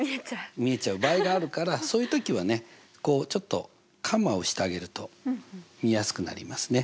見えちゃう場合があるからそういう時はねちょっとコンマをしてあげると見やすくなりますね。